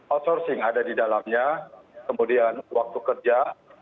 outsourcing ada di dalamnya kemudian waktu kerja